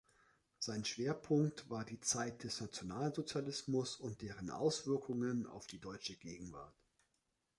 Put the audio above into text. Sein Schwerpunkt war die Zeit des Nationalsozialismus und deren Auswirkungen auf die deutsche Gegenwart.